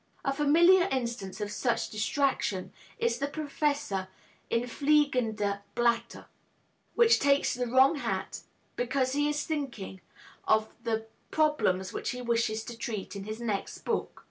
A familiar instance of such distraction is the professor in Fliegende Blätter, who takes the wrong hat because he is thinking of the problems which he wishes to treat in his next book.